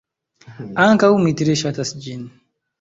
Ankaŭ mi tre ŝatas ĝin.